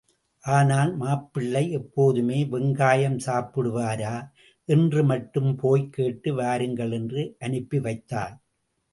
ஆனால் மாப்பிள்ளை எப்போதுமே வெங்காயம் சாப்பிடுவாரா? என்று மட்டும் போய்க் கேட்டு வாருங்கள் என்று அனுப்பிவைத்தாள்.